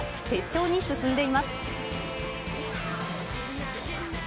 決勝に進んでいます。